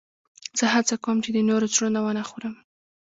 زه هڅه کوم، چي د نورو زړونه و نه خورم.